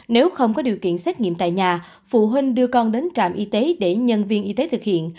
nếu không có điều kiện xét nghiệm tại nhà phụ huynh đưa con đến trạm y tế để nhân viên y tế thực hiện